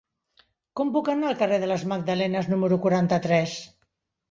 Com puc anar al carrer de les Magdalenes número quaranta-tres?